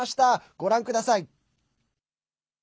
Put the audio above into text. ご覧ください。